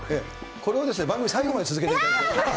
これを番組最後まで続けていいやー。